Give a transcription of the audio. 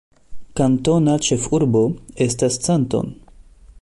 Kantona ĉefurbo estas Canton.